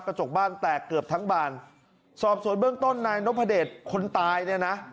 กระจกบ้านแตกเกือบทั้งบานสอบสวนเบื้องต้นนายนพเดชคนตายเนี่ยนะ